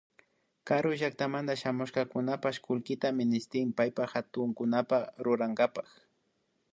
Karu llakatamanta shamushkakunapash kullkita ministin paypa hatunakunata rurankapak